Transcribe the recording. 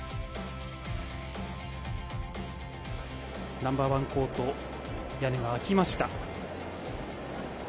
ナンバー１コート屋根が開きました。